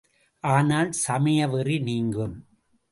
ஆனால், சமய வெறி நீங்கும்.